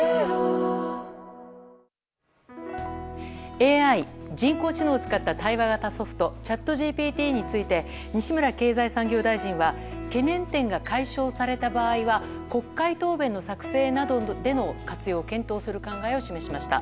ＡＩ・人工知能を使った対話型ソフトチャットＧＰＴについて西村経済産業大臣は懸念点が解消された場合は国会答弁の作成などでの活用を検討する考えを示しました。